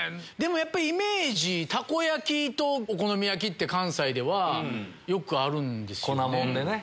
イメージたこ焼きとお好み焼きって関西ではよくあるんですよね。